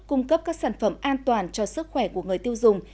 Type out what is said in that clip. cung cấp các sản phẩm an toàn cho sức khỏe của người tiêu dùng